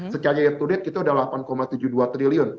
secara year to date itu sudah delapan tujuh puluh dua triliun